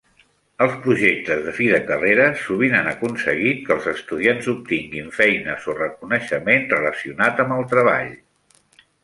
Els projectes de fi de carrera sovint han aconseguit que els estudiants obtinguin feines o reconeixement relacionat amb el treball.